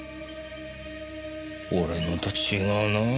俺のと違うなぁ。